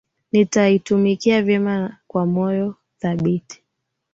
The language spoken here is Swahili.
nitaitumikia vyema na kwa moyo thabiti